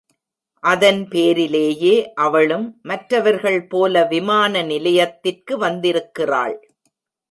அதன் பேரிலேயே அவளும், மற்றவர்கள் போல விமான நிலையத்திற்கு வந்திருக்கிறாள்.